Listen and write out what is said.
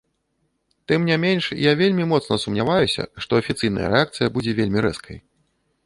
Тым не менш, я вельмі моцна сумняваюся, што афіцыйная рэакцыя будзе вельмі рэзкай.